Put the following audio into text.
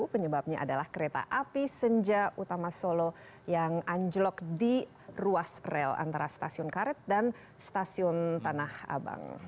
penyebabnya adalah kereta api senja utama solo yang anjlok di ruas rel antara stasiun karet dan stasiun tanah abang